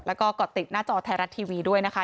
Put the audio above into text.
แล้วก็ก่อติดหน้าจอไทยรัฐทีวีด้วยนะคะ